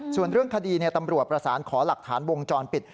ส่วนเรื่องคดีตำรวจประสานขอหลักฐานวงจรปิด